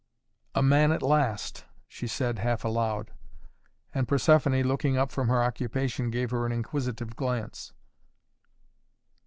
"A man at last!" she said half aloud, and Persephoné, looking up from her occupation, gave her an inquisitive glance.